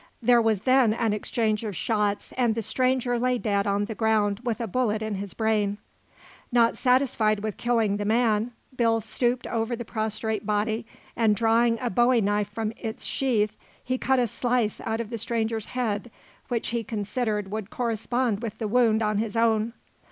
There was then an exchange of shots and the stranger lay dead on the ground with a bullet in his brain. Not satisfied with killing the man, Bill stooped over the prostrate body and drawing a bowie knife from its sheath, he cut a slice out of the stranger's head which he considered would correspond with the wound in his own.